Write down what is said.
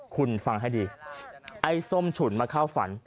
คุณฟังให้ดีไอ้ส้มฉุนมาเข้าฝัน